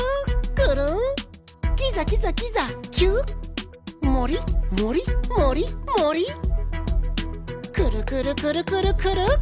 くるくるくるくるくる！